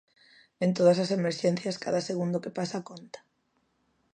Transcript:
En todas as emerxencias cada segundo que pasa conta.